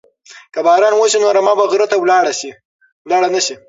که باران وشي نو رمه به غره ته لاړه نشي.